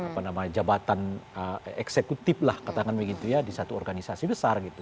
apa namanya jabatan eksekutif lah katakan begitu ya di satu organisasi besar gitu